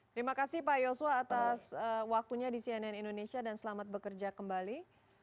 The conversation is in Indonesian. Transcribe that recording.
terima kasih pak yosua atas waktunya di cnn indonesia dan selamat bekerja kembali